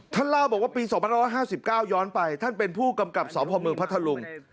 ท่านเล่าบอกว่าปี๒๕๕๙ย้อนไปท่านเป็นผู้กำกับสพเมืองพัทธลุง